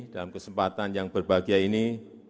dalam kesempatan yang berbahagia ini